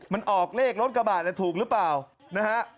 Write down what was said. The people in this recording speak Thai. มันออกเลขรถกระบาดถูกหรือเปล่านะฮะ